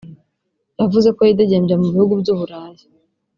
yavuze ko yidegembya mu bihugu by’u Burayi